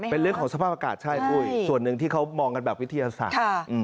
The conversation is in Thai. เป็นเรื่องของสภาพอากาศใช่ปุ้ยส่วนหนึ่งที่เขามองกันแบบวิทยาศาสตร์